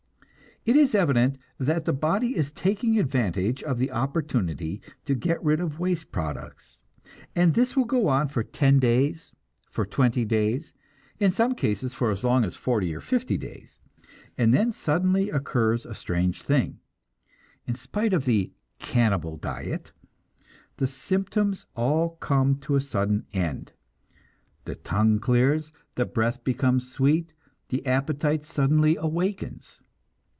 It is evident that the body is taking advantage of the opportunity to get rid of waste products; and this will go on for ten days, for twenty days, in some cases for as long as forty or fifty days; and then suddenly occurs a strange thing: in spite of the "cannibal diet" the symptoms all come to a sudden end. The tongue clears, the breath becomes sweet, the appetite suddenly awakens.